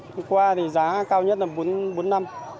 hôm qua thì giá cao nhất là bốn năm